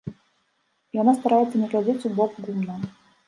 Яна стараецца не глядзець у бок гумна.